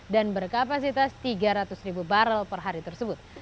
berkapasitas tiga ratus ribu barrel per hari tersebut